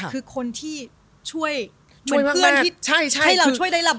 คือคนที่ช่วยช่วยมากแค่